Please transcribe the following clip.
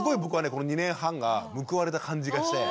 この２年半が報われた感じがして。